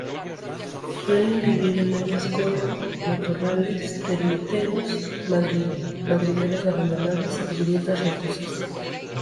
Suelen vivir en áreas con matorrales, termiteros, madrigueras abandonadas y grietas rocosas.